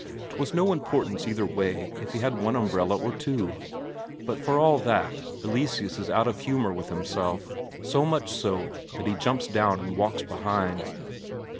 'Twas no importance either way if he had one umbrella or two. But for all that, Eleseus is out of humour with himself; so much so that he jumps down and walks behind.